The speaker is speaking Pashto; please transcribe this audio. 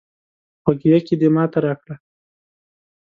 غوږيکې دې ماته راکړه